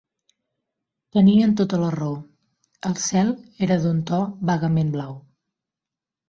Tenien tota la raó; el cel era d'un to vagament blau